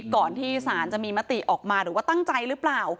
ก่อนที่ศาลจะมีมติออกมาหรือว่าตั้งใจหรือเปล่า